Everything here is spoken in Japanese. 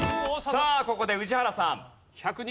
さあここで宇治原さん。